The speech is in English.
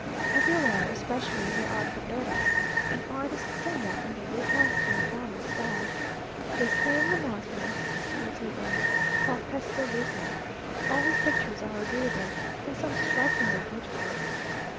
Everywhere, especially, there are Cabreras, an artist somewhat in the Luca Giordano style; the same monotony, facility, and "fa presto Luca!" All his pictures are agreeable, and some strikingly beautiful.